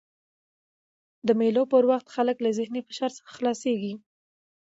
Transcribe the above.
د مېلو پر وخت خلک له ذهني فشار څخه خلاصيږي.